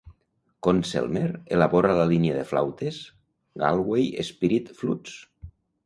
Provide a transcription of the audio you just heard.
Conn-Selmer elabora la línia de flautes, "Galway Spirit Flutes".